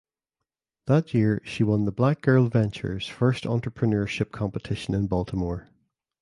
That year she won the Black Girl Ventures first entrepreneurship competition in Baltimore.